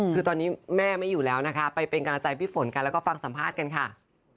คือตอนนี้แม่ไม่อยู่แล้วนะคะไปเป็นกำลังใจพี่ฝนกันแล้วก็ฟังสัมภาษณ์กันค่ะ